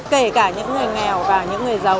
kể cả những người nghèo và những người giàu